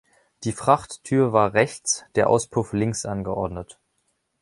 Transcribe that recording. Die Frachttür war rechts, der Auspuff links angeordnet.